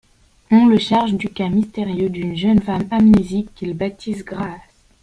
On le charge du cas mystérieux d'une jeune femme amnésique qu'il baptise Grace.